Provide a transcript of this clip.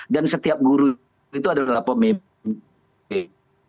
dan setiap guru itu adalah pemimpin